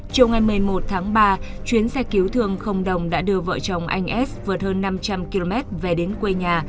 chiều ngày một mươi một tháng ba chuyến xe cứu thương không đồng đã đưa vợ chồng anh s vượt hơn năm trăm linh km về đến quê nhà